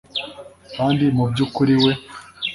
kandi mubyukuri we